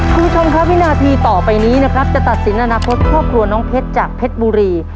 คุณผู้ชมครับวินาทีต่อไปนี้นะครับจะตัดสินอนาคตครอบครัวน้องเพชรจากเพชรบุรี